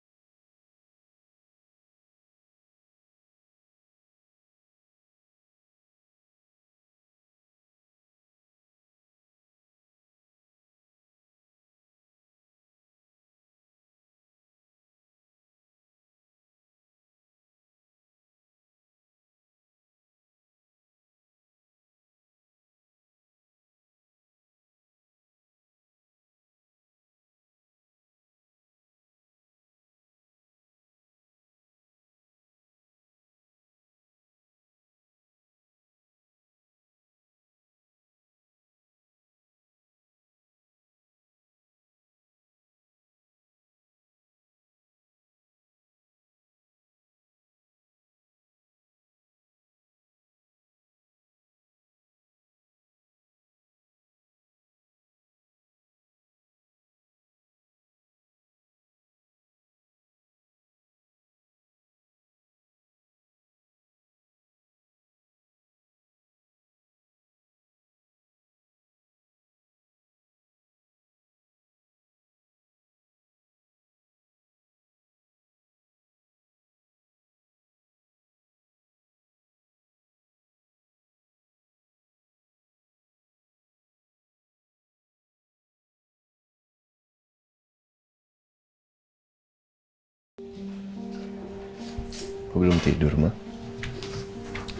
kamu belum tidur mah